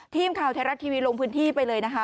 ทีมข่าวไทยรัฐทีวีลงพื้นที่ไปเลยนะคะ